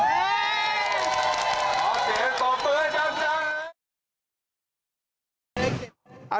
สมัยนี้คือ